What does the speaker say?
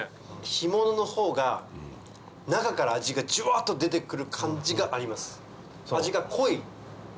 干物のほうが中から味がジュワっと出て来る感じがあります。